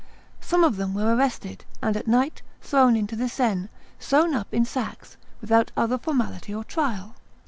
Some of them were arrested, and at night thrown into the Seine, sewn up in sacks, without other formality or trial.